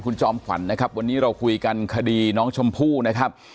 คุณจอมขวัญนะครับวันนี้เราคุยกันคดีน้องชมพู่นะครับ